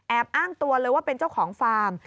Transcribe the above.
อ้างตัวเลยว่าเป็นเจ้าของฟาร์ม